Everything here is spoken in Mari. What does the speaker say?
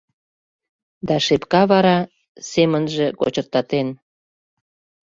да шепка вара семынже кочыртатен.